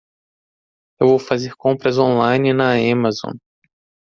Eu vou fazer compras on-line na Amazon.